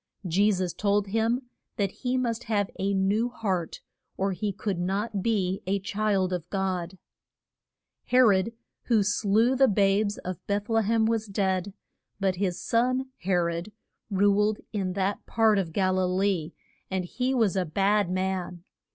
Je sus told him that he must have a new heart or he could not be a child of God. He rod, who slew the babes of Beth le hem, was dead, but his son He rod ruled in that part of Gal i lee, and he was a bad man.